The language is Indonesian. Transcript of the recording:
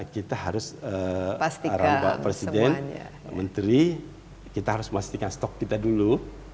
kita harus pastikan presiden menteri kita harus pastikan stok kita dulu